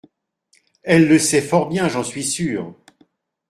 Elle le sait fort bien, j’en suis sûr.